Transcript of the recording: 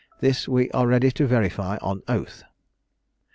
This we are ready to verify on oath."